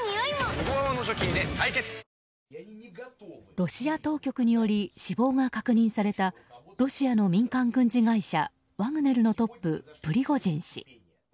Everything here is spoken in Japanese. ロシア当局により死亡が確認されたロシアの民間軍事会社ワグネルのトップ、プリゴジン氏。